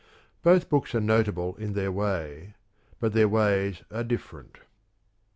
Both books are notable in their way; but their ways are different.